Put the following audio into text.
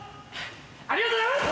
ありがとうございます！